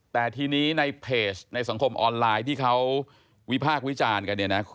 แต่ทีนี้ในเพจในสังคมออนไลน์ที่เขาวิพากษ์วิจารณ์กันเนี่ยนะ